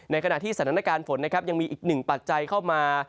ในขณะที่สถานการณ์ฝนยังมีอีก๑ปัจจัยเข้ามา